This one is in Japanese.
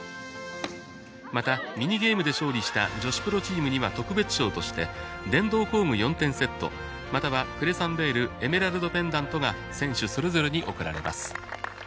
またミニゲームで勝利した女子プロチームには特別賞として電動工具４点セットまたは「ＣＲＥＳＣＥＮＴＶＥＲＴエメラルドペンダント」が選手それぞれに贈られます。